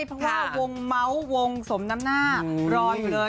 เพราะว่าวงเมาส์วงสมน้ำหน้ารออยู่เลย